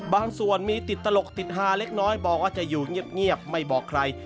บางส่วนมีติดตลกติดฮาเล็กน้อยบอกว่าจะอยู่เงียบไม่บอกใคร